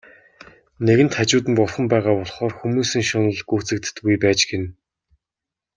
Нэгэнт хажууд нь Бурхан байгаа болохоор хүмүүсийн шунал гүйцэгддэггүй байж гэнэ.